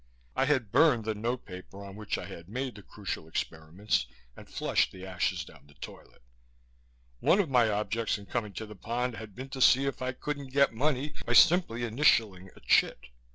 I had burned the note paper on which I had made the crucial experiments and flushed the ashes down the toilet. One of my objects in coming to the Pond had been to see if I couldn't get money by simply initialing a chit.